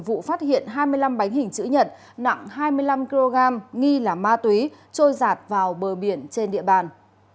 vụ phát hiện hai mươi năm bánh hình chữ nhật nặng hai mươi năm kg nghi là ma túy trôi giạt vào bờ biển trên địa bàn